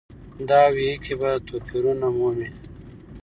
دا وییکې به توپیر ونه مومي.